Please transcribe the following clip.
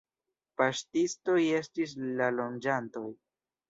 Paŝtistoj estis la loĝantoj.